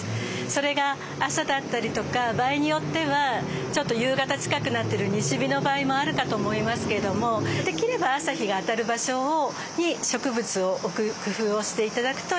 それが朝だったりとか場合によってはちょっと夕方近くなってる西日の場合もあるかと思いますけれどもできれば朝日が当たる場所に植物を置く工夫をして頂くといいと思います。